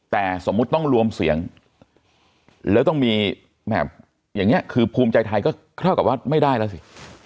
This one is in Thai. แต่สมมุติต้องรวมเสียงแล้วต้องมีอย่างนี้คือภูมิใจไทยก็เท่ากับว่าไม่ได้แล้วสิ